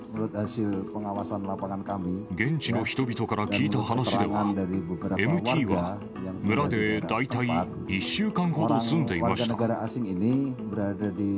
現地の人々から聞いた話では、ＭＴは、村で大体１週間ほど住んでいました。